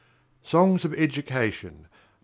SONGS OF EDUCATION: VI.